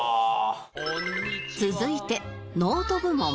続いてノート部門